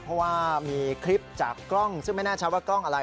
เพราะว่ามีคลิปจากกล้องซึ่งไม่แน่ชัดว่ากล้องอะไร